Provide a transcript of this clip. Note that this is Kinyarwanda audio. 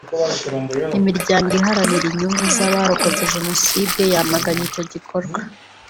Imiryango Iharanira inyungu z’abarokotse Jenoside yamaganye icyo gikorwa